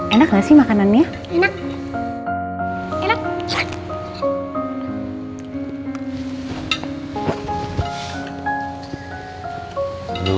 warga luar sama although